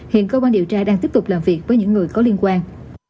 hiện cơ quan điều tra đang tiếp tục làm việc với những người có liên quan